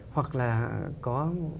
hoặc là có